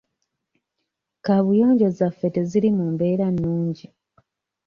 Kabuyonjo zaffe teziri mu mbeera nnungi.